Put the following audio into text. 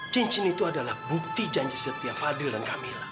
cincin itu adalah bukti janji setia fadil dan camilla